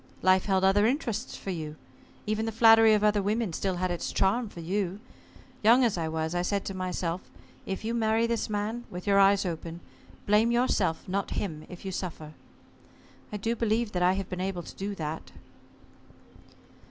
Life held other interests for you. Even the flattery of other women still had its charm for you. Young as I was, I said to myself: 'If you marry this man with your eyes open blame yourself, not him, if you suffer.' I do believe that I have been able to do that."